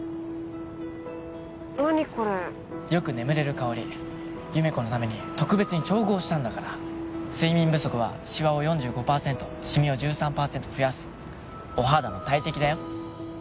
何これよく眠れる香り優芽子のために特別に調合したんだから睡眠不足はシワを４５％シミを１３％増やすお肌の大敵だよ